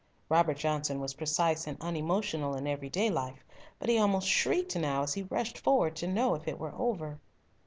Robert Johnson was precise and unemotional in everyday life, but he almost shrieked now as he rushed forward to know if it were over.